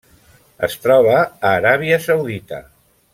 Es troba a Aràbia Saudita.